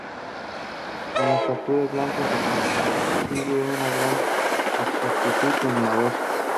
Con las cápsulas blandas se consigue una gran exactitud en la dosis.